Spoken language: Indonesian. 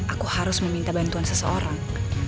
aku harus meminta bantuan seseorang